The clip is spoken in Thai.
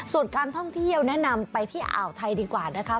ส่วนการท่องเที่ยวแนะนำไปที่อ่าวไทยดีกว่านะคะ